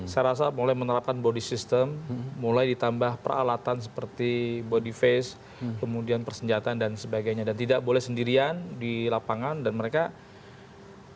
saya rasa mulai menerapkan body system mulai ditambah peralatan seperti body face kemudian persenjataan dan sebagainya dan tidak boleh sendirian di lapangan dan mereka polisi ini tidak bisa